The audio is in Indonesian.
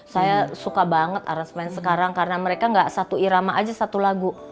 saya suka banget aras main sekarang karena mereka gak satu irama aja satu lagu